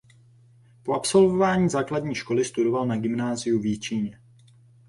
Po absolvování základní školy studoval na gymnáziu v Jičíně.